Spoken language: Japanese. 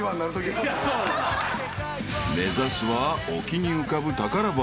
［目指すは沖に浮かぶ宝箱］